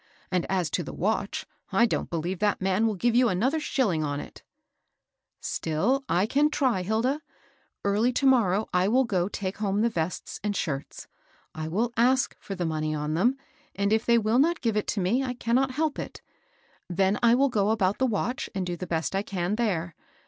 And as to the watch, I don't beUeve that man will give you another shilling on it." ^* Still I can iry^ Hi\4a.. "Ei^tVj \jc> motrow I will " WORK — WORK — WORK.'* 303 go take home the vests and shirts. I will obTc for the money on them, and if they will not give it to me, I cannot help it. Then I will go aboat the watch, and do the best I can there.